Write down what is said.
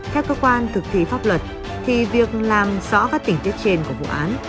theo cơ quan thực thí pháp luật thì việc làm rõ các tỉnh tiết trên của vụ án